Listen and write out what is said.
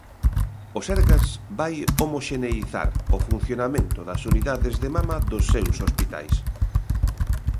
O Sergas vai homoxeneizar o funcionamento das unidades de mama dos seus hospitais.